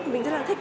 mình rất là thích